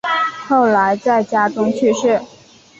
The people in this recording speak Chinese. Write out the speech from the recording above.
后来在家中去世。